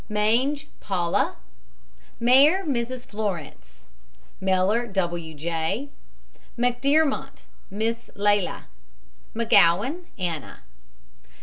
MANGE, PAULA. MARE, MRS. FLORENCE. MELLOR, W. J. McDEARMONT, MISS LELA. McGOWAN, ANNA.